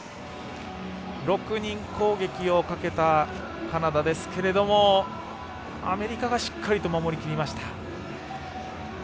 ６人攻撃をかけたカナダですけれどもアメリカがしっかりと守りきりました。